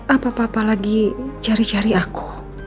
apa apa lagi cari cari aku